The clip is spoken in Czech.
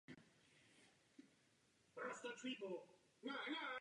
Dva druhy jsou chráněny zákonem jako silně ohrožený druh.